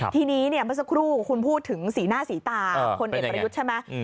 ทีนี้เมื่อสักครู่คุณพูดถึงสีหน้าสีตาพลเอกประยุทธ์ใช่ไหม